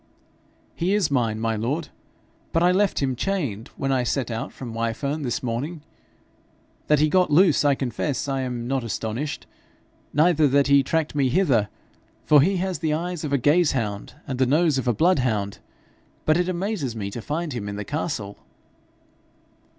'He is mine, my lord, but I left him chained when I set out from Wyfern this morning. That he got loose I confess I am not astonished, neither that he tracked me hither, for he has the eyes of a gaze hound, and the nose of a bloodhound; but it amazes me to find him in the castle.'